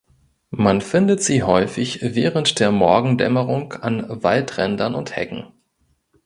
Man findet sie häufig während der Morgendämmerung an Waldrändern und Hecken.